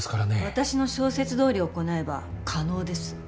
私の小説どおり行えば可能です。